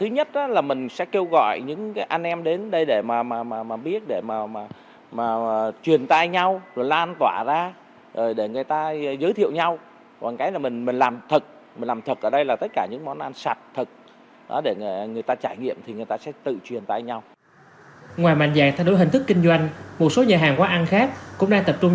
ngoài mạnh dạng thay đổi hình thức kinh doanh một số nhà hàng quán ăn khác cũng đang tập trung